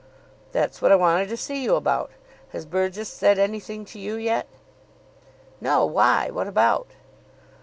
"That's what I wanted to see you about. Has Burgess said anything to you yet?" "No. Why? What about?"